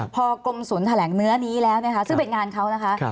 พอกรมศูนย์แถลงเนื้อนี้แล้วนะคะซึ่งเป็นงานเขานะคะ